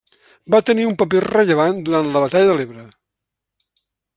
Va tenir un paper rellevant durant la Batalla de l'Ebre.